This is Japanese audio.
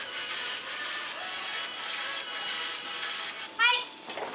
・はい！